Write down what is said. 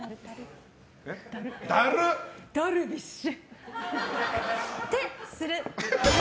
ダルビッシュ！